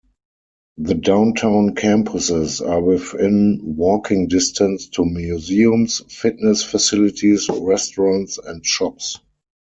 The downtown campuses are within walking distance to museums, fitness facilities, restaurants and shops.